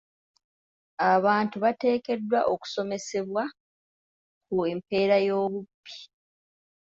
Abantu bateekeddwa okusomesebwa ku mpeera y'obubbi.